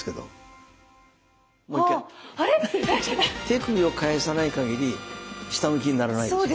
手首を返さないかぎり下向きにならないです。